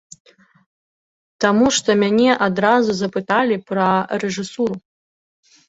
Таму што мяне адразу запыталі пра рэжысуру.